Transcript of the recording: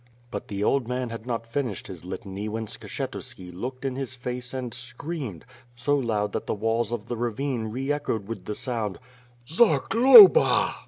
But the old man had not finished his litany when Skshetu ski looked in his face and screamed; so loud that the walls of the ravine re echoed with the sound: "Zagloba!"